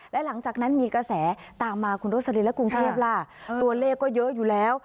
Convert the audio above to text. และหลังจากนั้นมีกระแสตามมาคุณโรสลินและกรุงเทพล่ะตัวเลขก็เยอะอยู่แล้ว